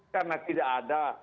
karena tidak ada